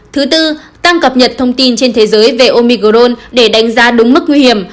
thứ tư tăng cập nhật thông tin trên thế giới về omicrone để đánh giá đúng mức nguy hiểm